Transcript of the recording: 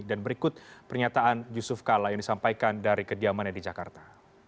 dan berikut pernyataan yusuf kala yang disampaikan dari kediamannya di jakarta